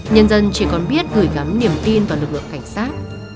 nhân dân chỉ còn biết gửi gắm niềm tin vào lực lượng cảnh sát